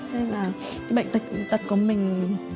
đây là cái bệnh tật của mình